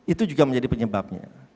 itu juga menjadi penyebabnya